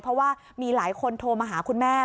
เพราะว่ามีหลายคนโทรมาหาคุณแม่